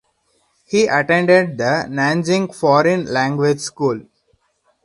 He attended the Nanjing Foreign Language School.